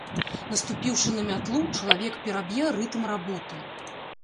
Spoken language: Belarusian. Наступіўшы на мятлу, чалавек пераб'е рытм работы.